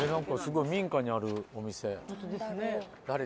民家にあるお店。